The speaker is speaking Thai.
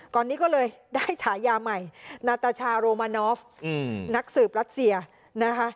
ตอนนี้ก็เลยได้ฉายาใหม่นาตาชาโรมานอฟนักสืบรัสเซียนะคะ